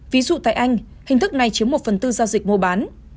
ví dụ tại anh hình thức này chiếm một phần tư giao dịch mua bán